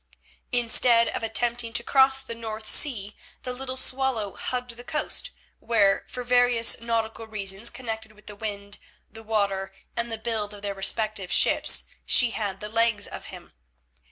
Instead of attempting to cross the North Sea the little Swallow hugged the coast, where, for various nautical reasons connected with the wind, the water, and the build of their respective ships, she had the legs of him.